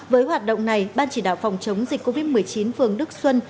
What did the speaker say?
với hoạt động này ban chỉ đạo phòng chống dịch covid một mươi chín phường đức xuân